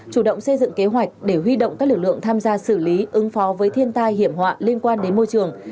chủ động xây dựng kế hoạch để huy động các lực lượng tham gia xử lý ứng phó với thiên tai hiểm họa liên quan đến môi trường